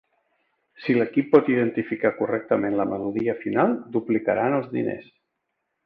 Si l'equip pot identificar correctament la melodia final, duplicaran els diners.